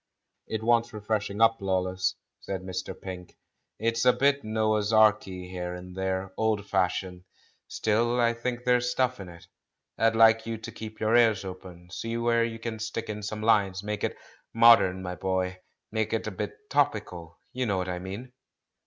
"It wants freshening up, Lawless," said Mr. Pink; "it's a bit Noah's Arky here and there — old fashioned. Still I think there's stuff in it. I'd like you to keep your ears open, see where you can stick in some lines. Make it modern, my boy, make it a bit topical; you know what I mean?"